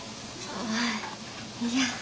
ああいや。